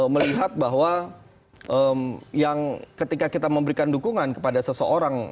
melihat bahwa yang ketika kita memberikan dukungan kepada seseorang